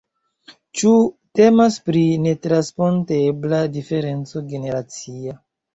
Ĉu temas pri netranspontebla diferenco generacia?